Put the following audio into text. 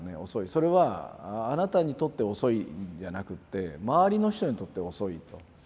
それはあなたにとって遅いんじゃなくって周りの人にとって遅いと。